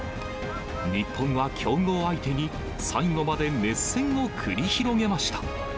日本は強豪相手に、最後まで熱戦を繰り広げました。